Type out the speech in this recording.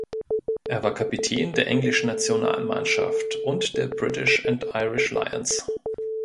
Er war Kapitän der englischen Nationalmannschaft und der British and Irish Lions.